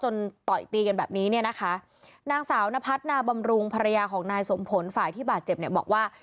ต่อยตีกันแบบนี้เนี่ยนะคะนางสาวนพัฒนาบำรุงภรรยาของนายสมผลฝ่ายที่บาดเจ็บเนี่ยบอกว่า